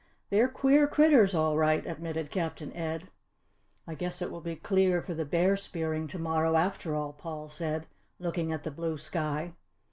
"They're queer critters, all right," admitted Captain Ed. "I guess it will be clear for the bear spearing to morrow, after all," Paul said, looking at the blue sky.